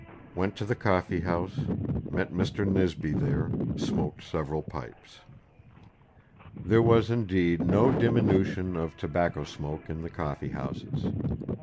Went to the Coffee house. Met Mr. Nisby there. Smoaked several Pipes." There was indeed no diminution of tobacco smoke in the coffee houses.